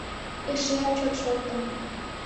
Эшеат чот шортым.